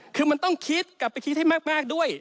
คือมันต้องคิดกลับไปคิดให้มากด้วย